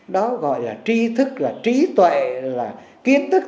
đó gọi là tri thức là trí tuệ là kiến thức